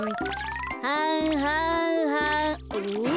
はんはんはんおっ？